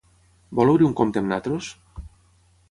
Vol obrir un compte amb nosaltres?